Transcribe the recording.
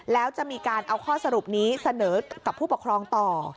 แล้วจะมีการเอาข้อสรุปนี้เสนอกับผู้ปกครองต่อ